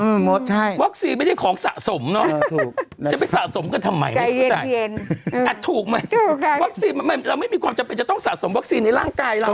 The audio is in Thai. ถูกไหมล่ะวัคซีนไม่ได้ของสะสมเนอะจะไปสะสมกันทำไมไม่เข้าใจถูกไหมวัคซีนเราไม่มีความจำเป็นจะต้องสะสมวัคซีนในร่างกายเรา